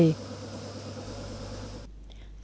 tỉnh lào cai